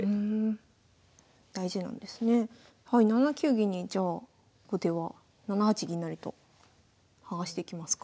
銀にじゃあ後手は７八銀成と剥がしてきますか。